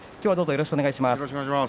よろしくお願いします。